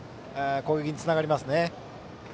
攻撃につながりますね。